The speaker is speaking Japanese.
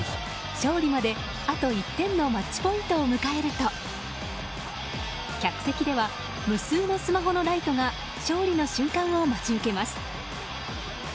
勝利まで、あと１点のマッチポイントを迎えると客席では無数のスマホのライトが勝利の瞬間を待ち受けます。